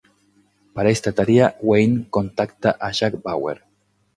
Para esta tarea, Wayne contacta a Jack Bauer.